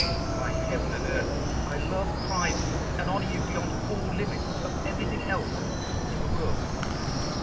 "By heaven and earth, I love, prize, and honour you beyond all limit of everything else in the world!"